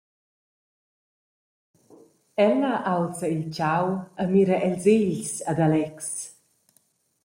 Ella aulza il tgau e mira els egls ad Alex.